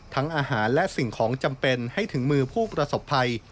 อาหารและสิ่งของจำเป็นให้ถึงมือผู้ประสบภัย